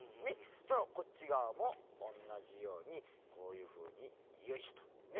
そしたらこっちがわもおんなじようにこういうふうによいしょっとね